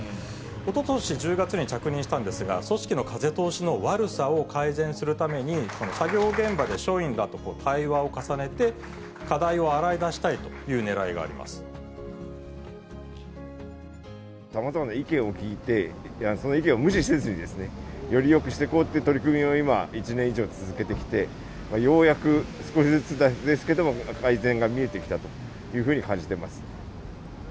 おととし１０月に着任したんですが、組織の風通しの悪さを改善するために、作業現場で所員らと対話を重ねて、課題を洗い出したいというねらいさまざまな意見を聞いて、その意見を無視せずに、よりよくしていこうという取り組みを今、１年以上続けてきて、ようやく少しずつですけども、改善が見えてきたというふうに感じてます。